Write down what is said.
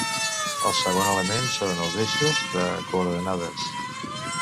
El segon element són els eixos de coordenades.